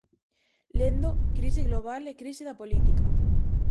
Lendo "Crise global e crise da política".